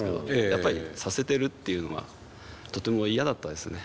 やっぱりさせてるっていうのはとても嫌だったですね。